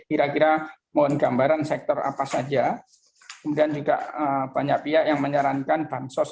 kira kira mohon gambaran sektor apa saja kemudian juga banyak pihak yang menyarankan bansos